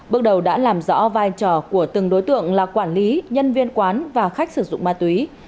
bước đầu đã làm rõ vai trò của từng đối tượng là quản lý nhân viên quán và khách sử dụng ma túy